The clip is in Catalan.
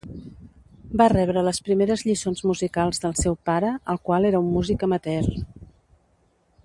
Va rebre les primeres lliçons musicals del seu pare, el qual era un músic amateur.